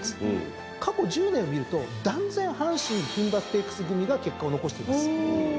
過去１０年を見ると断然阪神牝馬ステークス組が結果を残してるんです。